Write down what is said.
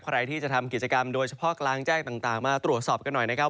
ใครที่จะทำกิจกรรมโดยเฉพาะกลางแจ้งต่างมาตรวจสอบกันหน่อยนะครับ